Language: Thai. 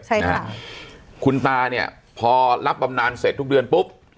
ใช่นะฮะคุณตาเนี่ยพอรับบำนานเสร็จทุกเดือนปุ๊บ